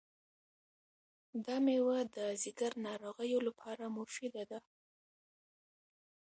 دا مېوه د ځیګر ناروغیو لپاره مفیده ده.